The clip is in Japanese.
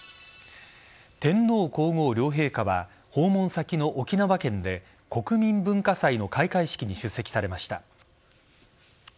天皇皇后両陛下は訪問先の沖縄県で国民文化祭の開会式に出席されました。